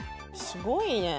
すごいね！